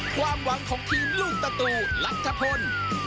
ความหวังของทีมลูกประตูรัฐพล